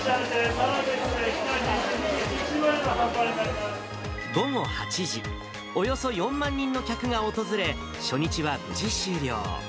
サラベス、午後８時、およそ４万人の客が訪れ、初日は無事終了。